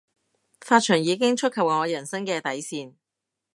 髮長已經觸及我人生嘅底線